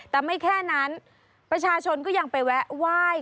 แต่ไม่แค่นั้นประชาชนก็ยังไปแวะไหว้